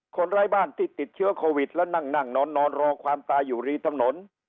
คนร้ายบ้านที่ติดเชื้อโควิดและนั่งนั่งนอนนอนรอความตายอยู่รีดทำนวน